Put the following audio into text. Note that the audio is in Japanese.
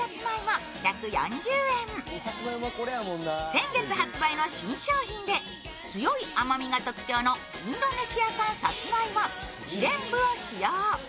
先月発売の新商品で強い甘みが特徴のインドネシア産さつまいも、チレンブを使用。